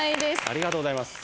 ありがとうございます。